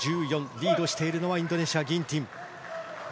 リードしているのはインドネシア、ギンティン。